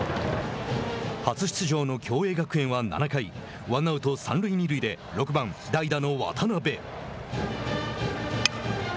初出場の共栄学園は７回、ワンアウト三塁二塁で６番代打の渡邊。